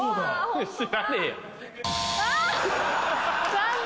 残念。